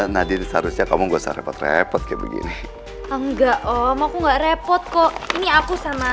nadir seharusnya kamu nggak usah repot repot kayak begini enggak oh aku enggak repot kok ini aku sama